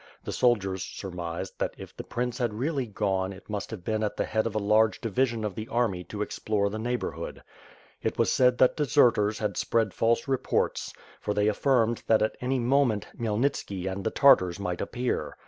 The soldiers sur mised that if the prince had really gone it must have been at the head of a large division of the army to explore the neigh borhood. It was said that deserters had spread false reports, for they affirmed that at any moment Khmyelnitski and the Tartars might appear.